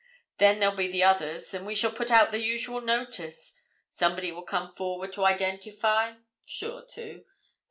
Then there'll be the others. And we shall put out the usual notice. Somebody will come forward to identify—sure to.